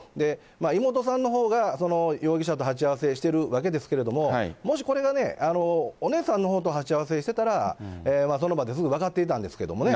妹さんのほうが容疑者と鉢合わせしているわけですけれども、もしこれがね、お姉さんのほうと鉢合わせしてたら、その場ですぐ分かっていたんですけどもね。